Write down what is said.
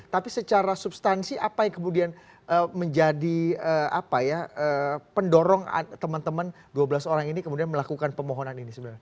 tapi secara substansi apa yang kemudian menjadi pendorong teman teman dua belas orang ini kemudian melakukan pemohonan ini sebenarnya